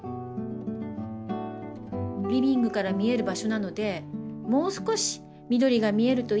リビングから見える場所なのでもう少し緑が見えるといいなって思っています。